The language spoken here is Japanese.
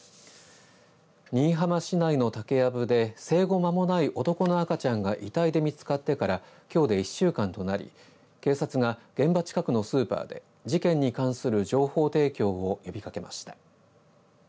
新居浜市内の竹やぶで生後まもない男の赤ちゃんが遺体で見つかってからきょうで１週間となり警察が、現場近くのスーパーで事件に関する情報提供を呼びかけました。